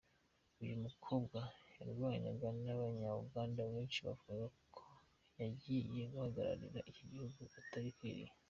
Uyu mukobwa yarwanywaga n’Abanya-Uganda benshi bavugaga ko yagiye guhagararira iki gihugu atabikwiriye.